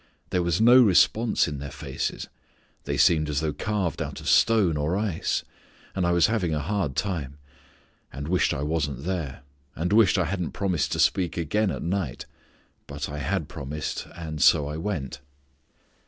There was no response in their faces. They seemed as though carved out of stone or ice. And I was having a hard time: and wished I wasn't there; and wished I hadn't promised to speak again at night. But I had promised, and so I went.